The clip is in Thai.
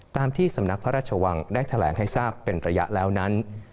ตามที่สำนักพระราชวังได้แถลงให้ทราบเป็นระยะแล้วนั้น